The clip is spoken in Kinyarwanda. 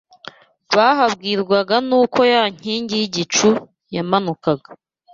bahabwirwaga n’uko ya nkingi y’igicu yamanukaga